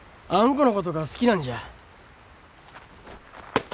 このことが好きなんじゃ。